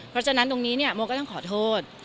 เพราะฉะนั้นตรงนี้เนี่ยโมก็ต้องขอโทษ